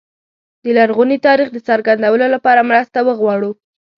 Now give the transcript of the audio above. د لرغوني تاریخ د څرګندولو لپاره مرسته وغواړو.